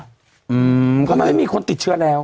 เพราะมันไม่มีคนติดเชื้อแล้ว